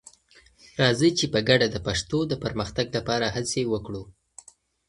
راځئ چې په ګډه د پښتو د پرمختګ لپاره هڅې وکړو.